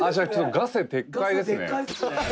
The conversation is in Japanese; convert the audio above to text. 「ガセ撤回ですね」